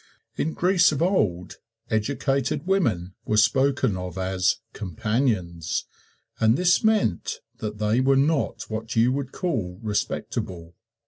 In Greece of old, educated women were spoken of as "companions" and this meant that they were not what you would call respectable.